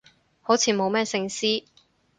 好似冇乜聖詩